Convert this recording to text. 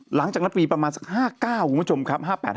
หลังจากนั้นปีประมาณสัก๕๙คุณผู้ชมครับ